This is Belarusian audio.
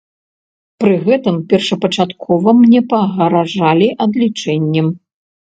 Пры гэтым першапачаткова мне пагражалі адлічэннем.